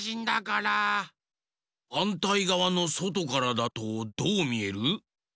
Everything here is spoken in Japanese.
はんたいがわのそとからだとどうみえる？